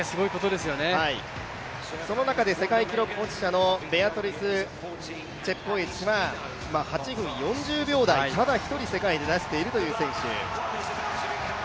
その中で世界記録保持者のベアトリス・チェプコエチは８分４０秒台、ただ１人世界で出しているという選手。